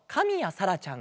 さらちゃん。